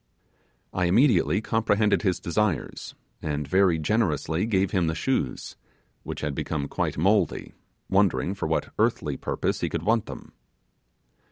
I immediately comprehended his desire, and very generously gave him the shoes, which had become quite mouldy, wondering for what earthly purpose he could want them.